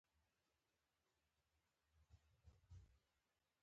هوښیاري یوه لورینه ده چې انسان ته د سم او غلط توپیر ښيي.